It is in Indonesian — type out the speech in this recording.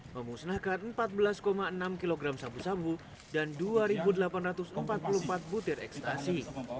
memusnahkan empat belas enam kg sabu sabu dan dua delapan ratus empat puluh empat butir ekstasi